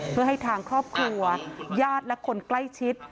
เพื่อให้ทางครอบครัวญาติและคนใกล้ชิด